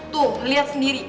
tuh liat sendiri